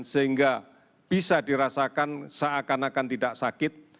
sehingga bisa dirasakan seakan akan tidak sakit